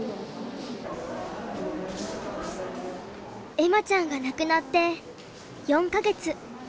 恵麻ちゃんが亡くなって４か月。